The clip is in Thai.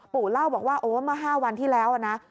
เล่าบอกว่าโอ้เมื่อ๕วันที่แล้วนะ